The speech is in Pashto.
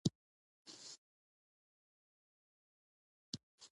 زه چي کله د مرغیو چوڼاری اورم